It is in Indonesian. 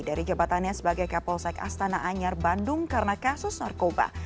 dari jabatannya sebagai kapolsek astana anyar bandung karena kasus narkoba